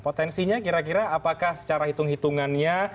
potensinya kira kira apakah secara hitung hitungannya